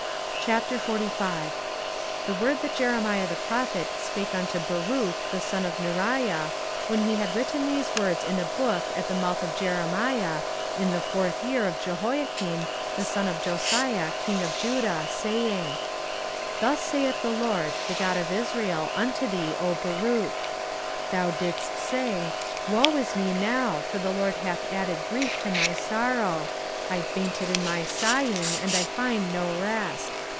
24:045:001 The word that Jeremiah the prophet spake unto Baruch the son of Neriah, when he had written these words in a book at the mouth of Jeremiah, in the fourth year of Jehoiakim the son of Josiah king of Judah, saying, 24:045:002 Thus saith the LORD, the God of Israel, unto thee, O Baruch: 24:045:003 Thou didst say, Woe is me now! for the LORD hath added grief to my sorrow; I fainted in my sighing, and I find no rest.